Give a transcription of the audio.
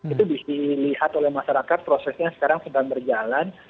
itu dilihat oleh masyarakat prosesnya sekarang sedang berjalan